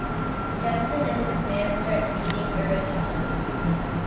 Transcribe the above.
Jensen and his man start beating Urich up.